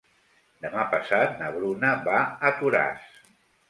Demà passat na Bruna va a Toràs.